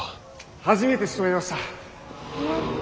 初めてしとめました。